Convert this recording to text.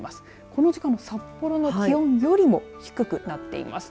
この時間の札幌の気温よりも低くなっています。